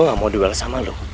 gue gak mau duel sama lo